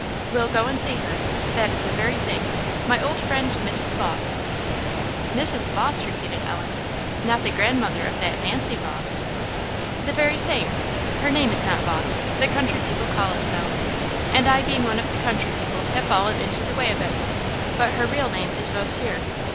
We'll go and see her; that is the very thing! my old friend Mrs. Vawse." "Mrs. Vawse!" repeated Ellen; "not the grandmother of that Nancy Vawse?" "The very same. Her name is not Vawse the country people call it so, and I being one of the country people have fallen into the way of it; but her real name is Vosier.